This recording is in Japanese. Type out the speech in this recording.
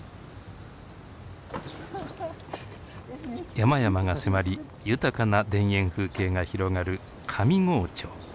山々が迫り豊かな田園風景が広がる上郷町。